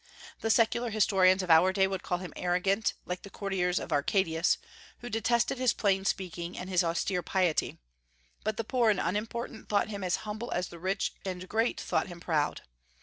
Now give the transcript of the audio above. The secular historians of our day would call him arrogant, like the courtiers of Arcadius, who detested his plain speaking and his austere piety; but the poor and unimportant thought him as humble as the rich and great thought him proud.